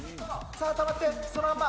止まって、そのまんま。